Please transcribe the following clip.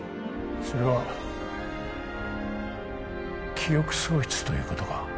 それは記憶喪失ということか？